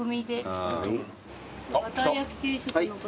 バター焼定食の方。